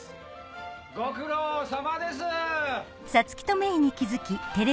ご苦労さまです！